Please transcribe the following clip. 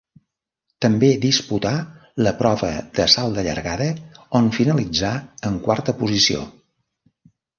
També disputà la prova del salt de llargada, on finalitzà en quarta posició.